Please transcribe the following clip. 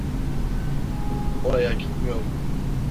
Oraya gitmiyorum.